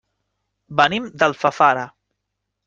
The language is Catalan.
Venim d'Alfafara.